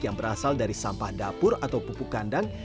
yang berasal dari sampah dapur atau pupuk kandang